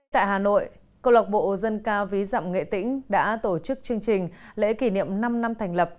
tại hà nội câu lạc bộ dân ca ví dạm nghệ tĩnh đã tổ chức chương trình lễ kỷ niệm năm năm thành lập